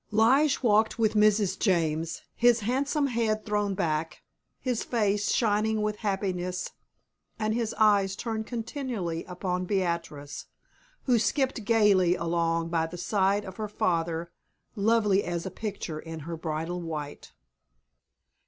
Lige walked with Mrs. James, his handsome head thrown back, his face shining with happiness and his eyes turned continually upon Beatrice, who skipped gayly along by the side of her father, lovely as a picture in her bridal white.